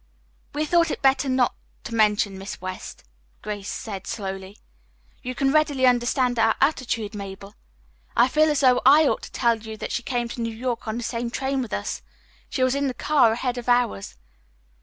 "We thought it better not to mention Miss West," said Grace slowly. "You can readily understand our attitude, Mabel. I feel as though I ought to tell you that she came to New York on the same train with us. She was in the car ahead of ours."